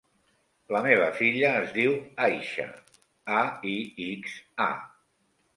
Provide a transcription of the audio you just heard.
La meva filla es diu Aixa: a, i, ics, a.